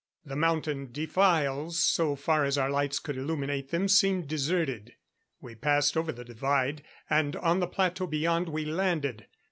The mountain defiles, so far as our lights could illuminate them, seemed deserted. We passed over the Divide, and on the plateau beyond, we landed.